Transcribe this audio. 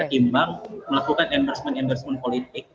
ketimbang melakukan endorsement endorsement politik